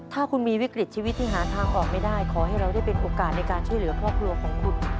ถ้าคุณมีวิกฤตชีวิตที่หาทางออกไม่ได้ขอให้เราได้เป็นโอกาสในการช่วยเหลือครอบครัวของคุณ